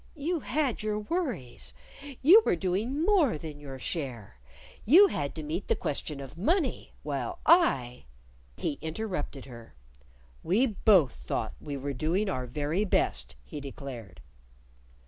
"You had your worries. You were doing more than your share. You had to meet the question of money. While I " He interrupted her. "We both thought we were doing our very best," he declared.